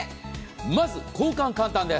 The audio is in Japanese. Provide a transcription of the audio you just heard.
まず交換、簡単です。